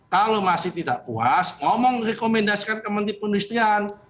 kalau masih tidak puas ngomong rekomendasikan ke menteri pendustrian